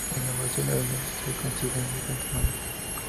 La innovación en los negocios se consigue de diferentes maneras.